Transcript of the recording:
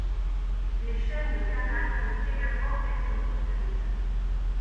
Des chaînes de Canal peuvent également être souscrites.